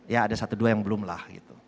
ya ada satu dua yang belum lah gitu